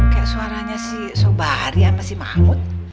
kayak suaranya si sobari sama si mahmud